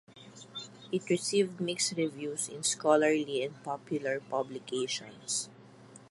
It received mixed reviews in scholarly and popular publications.